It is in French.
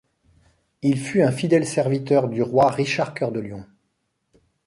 Il fut un fidèle serviteur du roi Richard Cœur de Lion.